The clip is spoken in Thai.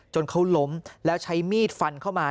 เขาล้มแล้วใช้มีดฟันเข้ามา